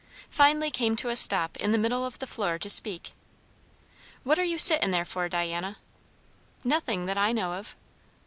Finally came to a stop in the middle of the floor to speak. "What are you sittin' there for, Diana?" "Nothing, that I know of."